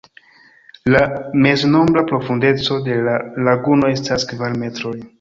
La meznombra profundeco de la laguno estas kvar metroj.